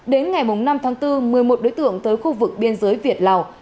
đến ngày năm tháng bốn một mươi một đối tượng tới khu vực biên giới việt lào